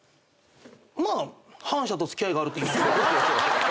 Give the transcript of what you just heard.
まあ反社と付き合いがあるって言いますかね。